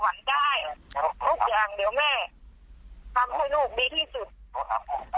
ทุกอย่างเดี๋ยวแม่ทำให้ลูกดีที่สุด